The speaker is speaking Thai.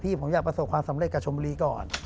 ผมอยากประสบความสำเร็จกับชมบุรีก่อน